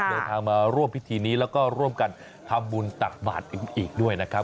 เดินทางมาร่วมพิธีนี้แล้วก็ร่วมกันทำบุญตักบาทกันอีกด้วยนะครับ